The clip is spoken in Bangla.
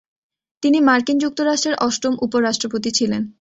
তিনি মার্কিন যুক্তরাষ্ট্রের অষ্টম উপ-রাষ্ট্রপতি ছিলেন।